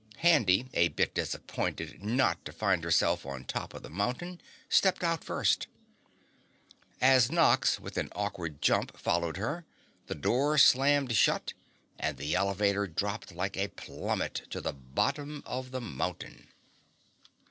Handy, a bit disappointed not to find herself on top of the mountain, stepped out first. As Nox, with an awkward jump, followed her, the door slammed sharply and the elevator dropped like a plummet to the bottom of the mountain.